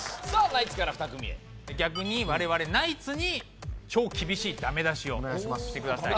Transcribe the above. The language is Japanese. ナイツから２組へ逆に我々ナイツに超厳しいダメ出しをしてください